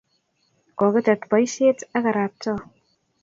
Kokitet poisyet ak arap Too.